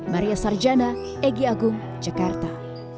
maria sarjana egy agung jakarta